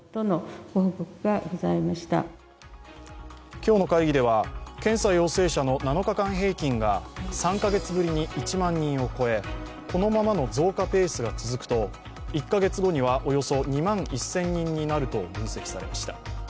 今日の会議では検査陽性者の７日間平均が３か月ぶりに１万人を超えこのままの増加ペースが続くと１か月後には、およそ２万１０００人になると分析されました。